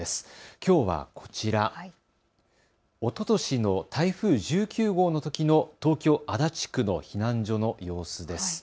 きょうはこちら、おととしの台風１９号のときの東京足立区の避難所の様子です。